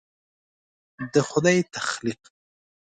د خدای تخلیق